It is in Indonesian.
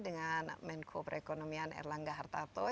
dengan menko perekonomian erlangga hartarto